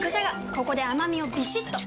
ここで甘みをビシッと！